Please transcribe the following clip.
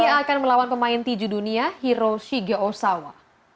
ia akan melawan pemain tinju dunia hiroshi geosawa